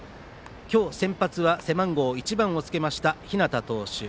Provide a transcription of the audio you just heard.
今日、先発は背番号１をつけた日當投手。